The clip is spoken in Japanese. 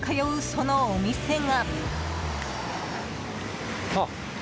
そのお店が。